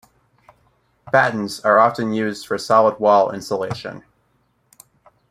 Battens are used for solid wall insulation.